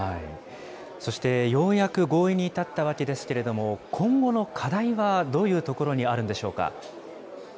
そしてようやく合意に至ったわけですけれども、今後の課題はどういうところにあるんでしょうか。